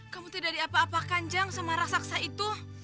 kamu tidak diapa apakan jang sama raksasa itu